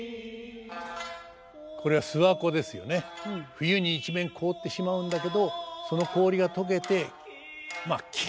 冬に一面凍ってしまうんだけどその氷が解けてキラキラしている情景。